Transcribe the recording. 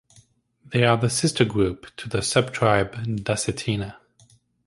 They are the sister group to the subtribe Dacetina.